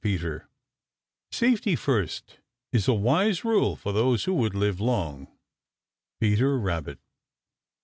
PETER Safety first is a wise rule for those who would live long. Peter Rabbit.